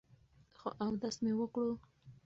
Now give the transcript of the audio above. خو اودس مې وکړو ـ